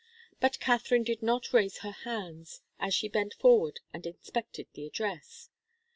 But Katharine did not raise her hands, as she bent forward and inspected the address.